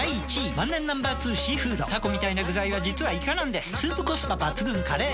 万年Ｎｏ．２「シーフード」タコみたいな具材は実はイカなんですスープコスパ抜群「カレー」！